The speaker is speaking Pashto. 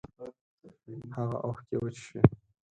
هاغه اوښکی وچې شوې